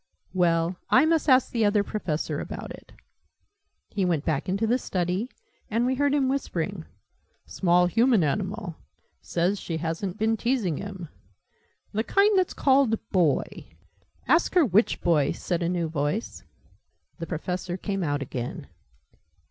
"Well, I must ask the Other Professor about it." He went back into the study, and we heard him whispering "small human animal says she hasn't been teasing him the kind that's called Boy " "Ask her which Boy," said a new voice. The Professor came out again.